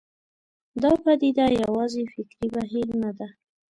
دا پدیده یوازې فکري بهیر نه ده.